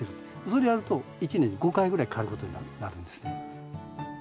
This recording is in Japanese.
それでやると１年で５回ぐらい刈ることになるんですね。